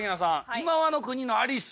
『今際の国のアリス』。